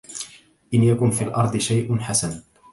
إن يكن في الأرض شيء حسن